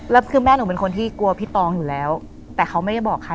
แล้วคือแม่หนูเป็นคนที่กลัวพี่ปองอยู่แล้วแต่เขาไม่ได้บอกใคร